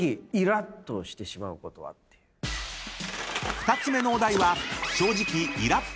［２つ目のお題は］